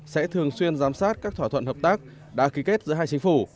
sẽ thường xuyên giám sát các thỏa thuận hợp tác đã ký kết giữa hai chính phủ